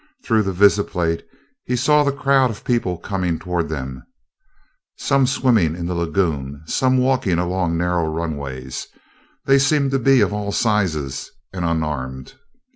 Through the visiplate he saw the crowd of people coming toward them some swimming in the lagoon, some walking along narrow runways. They seemed to be of all sizes, and unarmed.